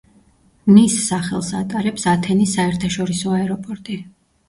მის სახელს ატარებს ათენის საერთაშორისო აეროპორტი.